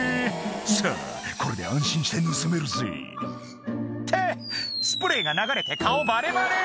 「さぁこれで安心して盗めるぜ」ってスプレーが流れて顔バレバレ